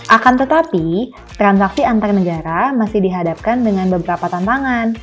akan tetapi transaksi antar negara masih dihadapkan dengan beberapa tantangan